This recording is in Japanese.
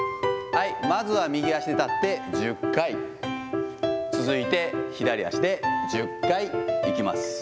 まずは右足で立って１０回、続いて左足で１０回いきます。